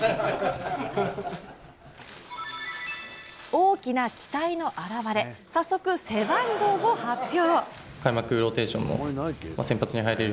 大きな期待の表れ、早速、背番号を発表。